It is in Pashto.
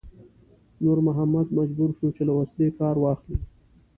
نور محمد مجبور شو چې له وسلې کار واخلي.